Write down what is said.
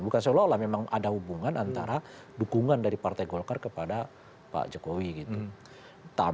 bukan seolah olah memang ada hubungan antara dukungan dari partai golkar kepada pak jokowi gitu